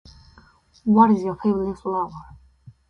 What is your favorite flower?